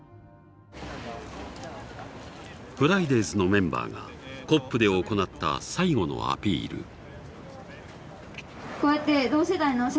フライデーズのメンバーがＣＯＰで行った最後のアピール。